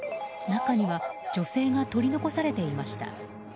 中には女性が取り残されていました。